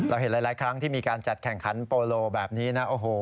เห็นหลายครั้งที่มีการจัดแข่งขันโปโลแบบนี้นะโอ้โห